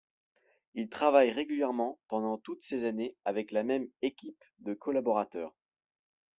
Il travaille régulièrement pendant toutes ces années avec la même équipe de collaborateurs.